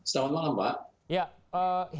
selamat malam pak